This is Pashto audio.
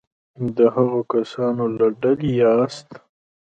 د هغو کسانو له ډلې یاست.